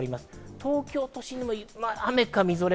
東京都心も雨か、みぞれ。